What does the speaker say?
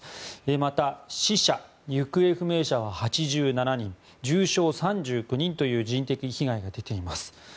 また、死者・行方不明者は８７人重傷３９人という人的被害が出ています。